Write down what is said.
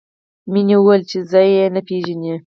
مینې وویل چې ځای یې نه پېژني